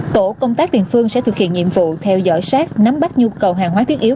tổ công tác địa phương sẽ thực hiện nhiệm vụ theo dõi sát nắm bắt nhu cầu hàng hóa thiết yếu